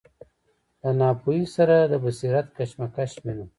له ناپوهۍ سره د بصیرت کشمکش وینو.